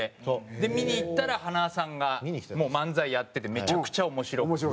で見に行ったら塙さんがもう漫才やっててめちゃくちゃ面白くて。